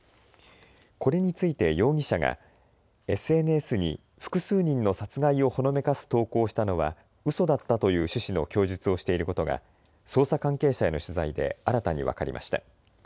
これについて容疑者がＳＮＳに複数人の殺害をほのめかす投稿をしたのはうそだったという趣旨の供述をしていることが捜査関係者への取材で新たに分かりました。